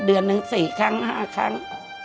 เดือนหนึ่ง๔ครั้ง๕ครั้ง